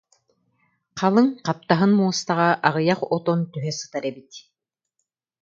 халыҥ хап- таһын муостаҕа аҕыйах отон түһэ сытар эбит